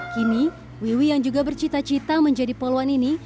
kini wiwi yang juga bercita cita menjadi poluan ini